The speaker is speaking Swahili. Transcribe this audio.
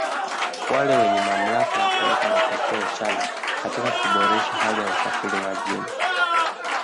wale wenye mamlaka ya kuleta matokeo chanya katika kuboresha hali ya usafiri majini